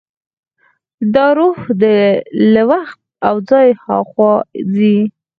دا روح له وخت او ځای هاخوا ځي.